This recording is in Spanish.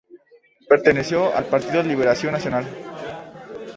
Perteneció al Partido Liberación Nacional.